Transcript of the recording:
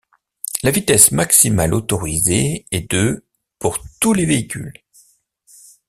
La vitesse maximale autorisée est de pour tous les véhicules.